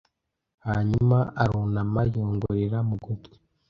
Hanyuma arunama yongorera mu gutwi,